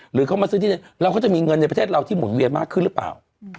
หรือเขามาซื้อที่เราก็จะมีเงินในประเทศเราที่หมุนเวียนมากขึ้นหรือเปล่า